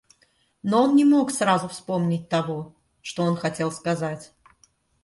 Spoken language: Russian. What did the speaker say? Но он не мог сразу вспомнить того, что он хотел сказать.